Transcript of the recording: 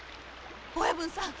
親分さん！